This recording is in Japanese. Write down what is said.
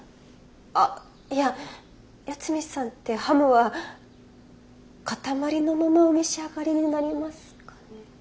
あいや八海さんってハムは塊のままお召し上がりになりますかね？